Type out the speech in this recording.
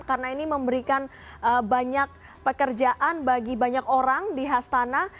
karena ini memberikan banyak pekerjaan bagi banyak orang di hastana